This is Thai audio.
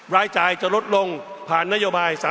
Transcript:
รายจ่ายจะลดลงผ่านนโยบาย